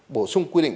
bổ sung quy định